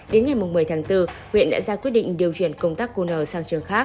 đến ngày một mươi tháng bốn huyện đã ra quyết định điều chuyển công tác cô nở sang trường khác